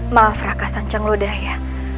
maaf raka sanjang lodaya